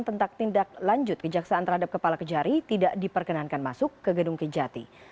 tentang tindak lanjut kejaksaan terhadap kepala kejari tidak diperkenankan masuk ke gedung kejati